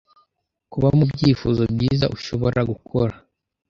Kuba mubyifuzo Byiza ushobora gukora